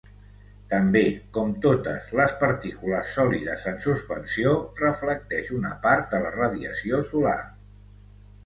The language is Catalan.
També, com totes les partícules sòlides en suspensió, reflecteix una part de la radiació solar.